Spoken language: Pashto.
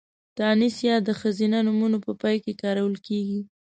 تانيث ۍ د ښځينه نومونو په پای کې کارول کېږي.